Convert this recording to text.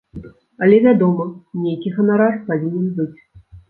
Але, вядома, нейкі ганарар павінен быць.